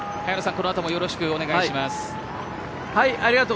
この後もよろしくお願いします。